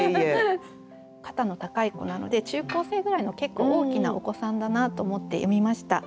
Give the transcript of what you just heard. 「肩の高い子」なので中高生ぐらいの結構大きなお子さんだなと思って読みました。